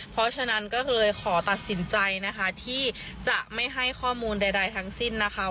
เพราะฉะนั้นก็เลยขอตัดสินใจนะคะที่จะไม่ให้ข้อมูลใดทั้งสิ้นนะคะ